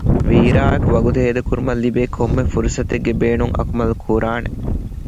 ވީރާއާއިއެކު ވަގުތު ހޭދަކުރުމަށް ލިބޭ ކޮންމެ ފުރުސަތެއްގެ ބޭނުން އަކުމަލް ކުރާނެ